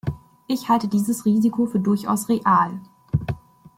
Ich halte dieses Risiko für durchaus real.